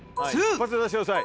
一発で出してください。